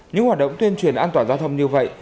những hoạt động tuyên truyền an toàn giao thông như vậy